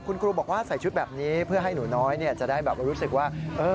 คุณครูบอกว่าใส่ชุดแบบนี้เพื่อให้หนูน้อยจะได้แบบรู้สึกว่า